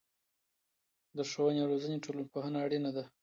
د ښوونې او روزنې ټولنپوهنه اړينه ده.